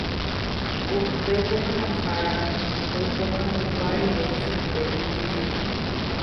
Upe pohãnohára oipohãnomba rire chupe oñe'ẽ.